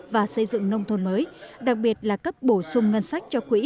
và xây dựng nông thôn mới đặc biệt là cấp bổ sung ngân sách cho quỹ